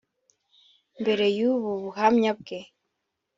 Mbere y’ubu buhamya bwe